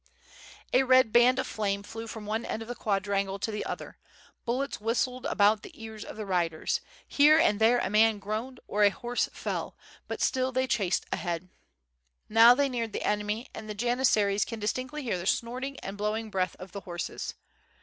A red band of flame flew from one end of the quadrangle to the other, bullets whistled about the ears of the riders, here and there a man groaned or a horse fell, but still they chased ahead. Now they neared the enemy and the Janis saries can distinctly hear the snorting and blown breath of the horses.